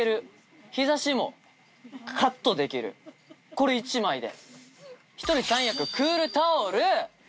これ１枚で。